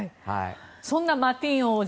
そんなマティーン王子